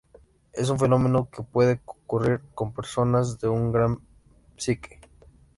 Es un fenómeno que puede ocurrir con personas de una gran psique.